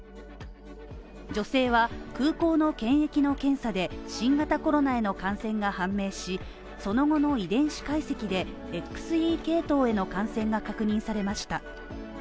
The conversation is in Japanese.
女性は空港の検疫の検査で新型コロナへの感染が判明しその後の遺伝子解析で、ＸＥ系統への感染が確認されました。